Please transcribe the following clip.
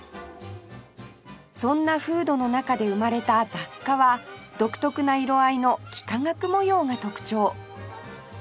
そんな風土の中で生まれた雑貨は独特な色合いの幾何学模様が特徴